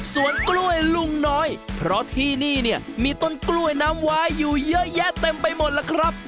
ส่วนกล้วยลุงน้อยเพราะที่นี่เนี่ยมีต้นกล้วยน้ำวายอยู่เยอะแยะเต็มไปหมดล่ะครับ